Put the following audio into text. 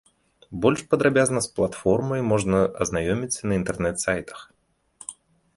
Больш падрабязна з платформай можна азнаёміцца на інтэрнэт-сайтах.